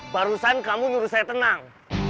barusan kamu nyuruh saya tenang